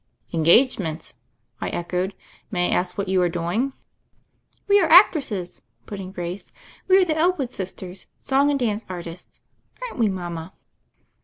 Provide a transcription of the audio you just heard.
"Engagements!" I echoed. "May I ask what you are doing?" "We are actresses," put in Grace; "we are the Elwood Sisters, song and dance artists — aren't we, mama?"